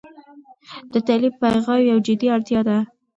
د تعلیم پیغام یو جدي اړتيا ده.